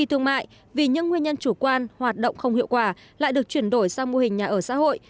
thương mại vì những nguyên nhân chủ quan hoạt động không hiệu quả lại được chuyển đổi sang mô hình nhà ở xã hội